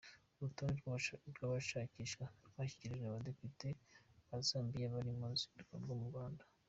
Urutonde rw'abashakishwa rwashyikirijwe abadepite ba Zambia bari mu ruzinduko mu Rwanda.